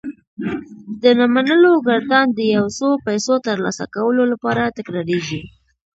د نه منلو ګردان د يو څو پيسو ترلاسه کولو لپاره تکرارېږي.